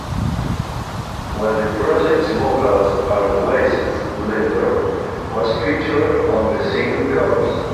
While the project's vocals are Wace's, Leander was featured on the single covers.